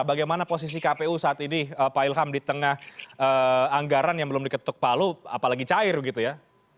bagaimana posisi kpu saat ini pak ilham di tengah anggaran yang belum diketuk palu apalagi cair begitu ya